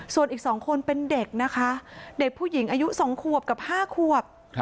ส่วนอีก๒คนเป็นเด็กนะคะเด็กผู้หญิงอายุ๒ขวบกับ๕ขวบ